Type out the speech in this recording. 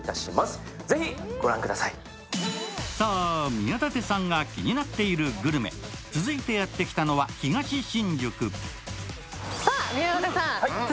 宮舘さんが気になっているグルメ、続いてやってきたのは東新宿。